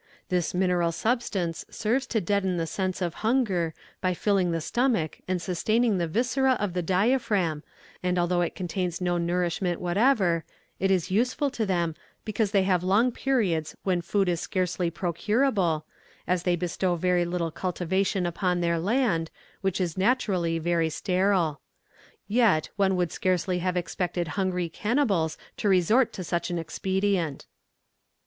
This mineral substance serves to deaden the sense of hunger, by filling the stomach and sustaining the viscera of the diaphragm, and although it contains no nourishment whatever, it is useful to them, because they have long periods when food is scarcely procurable, as they bestow very little cultivation upon their land, which is naturally very sterile. Yet, one would scarcely have expected hungry cannibals to resort to such an expedient.